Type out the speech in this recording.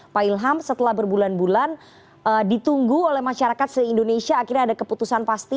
pak ilham setelah berbulan bulan ditunggu oleh masyarakat se indonesia akhirnya ada keputusan pasti